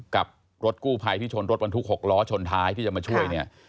กับรถกู้ภัยที่ชนรถบรรทุก๖ล้อชนท้ายที่จะมาช่วยเนี่ย